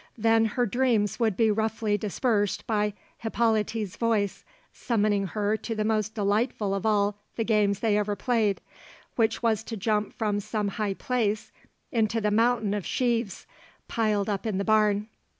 Then her dreams would be roughly dispersed by Hippolyte's voice, summoning her to the most delightful of all the games they ever played, which was to jump from some high place into the mountain of sheaves piled up in the barn.